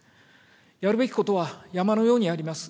やるべきことは山のようにあります。